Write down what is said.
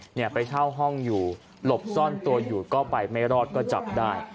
เนี่ยไปเช่าห้องอยู่หลบซ่อนตัวอยู่ก็ไปไม่รอดก็จับได้